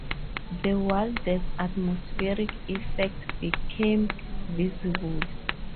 The wildest atmospheric effects became visible.